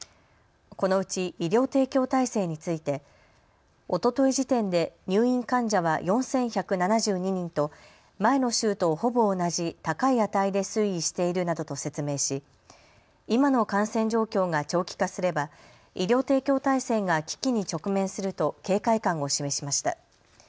このうち医療提供体制についておととい時点で入院患者は４１７２人と前の週とほぼ同じ高い値で推移しているなどと説明し今の感染状況が長期化すれば医療提供体制が危機に直面すると警戒感を示しました。